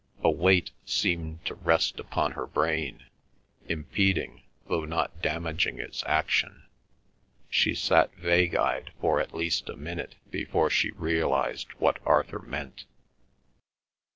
A weight seemed to rest upon her brain, impeding, though not damaging its action. She sat vague eyed for at least a minute before she realised what Arthur meant.